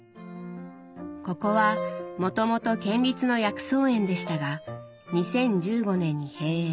ここはもともと県立の薬草園でしたが２０１５年に閉園。